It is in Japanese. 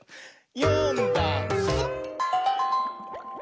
「よんだんす」